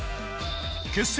結成